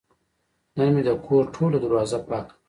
نن مې د کور ټوله دروازه پاکه کړه.